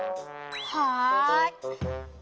はい。